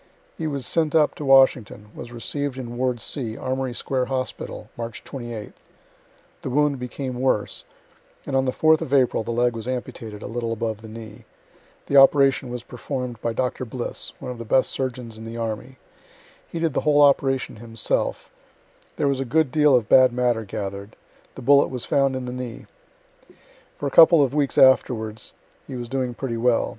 He was sent up to Washington, was receiv'd in ward C, Armory square hospital, March 28th the wound became worse, and on the 4th of April the leg was amputated a little above the knee the operation was perform' d by Dr. Bliss, one of the best surgeons in the army he did the whole operation himself there was a good deal of bad matter gather'd the bullet was found in the knee. For a couple of weeks afterwards he was doing pretty well.